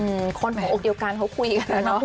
คนหัวอกเดียวกันเขาคุยกันแล้วเนอะ